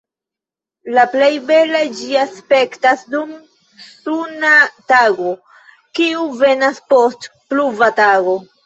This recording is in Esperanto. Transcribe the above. La plej bele ĝi aspektas dum suna tago, kiu venas post pluva tago.